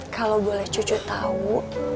kalau boleh cucu tahu